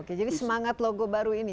oke jadi semangat logo baru ini